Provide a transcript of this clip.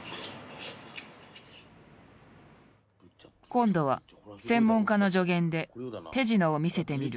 今度は専門家の助言で手品を見せてみる。